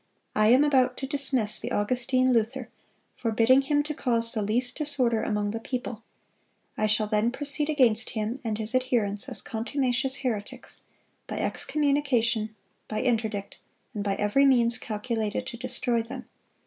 I am about to dismiss the Augustine Luther, forbidding him to cause the least disorder among the people; I shall then proceed against him and his adherents as contumacious heretics, by excommunication, by interdict, and by every means calculated to destroy them.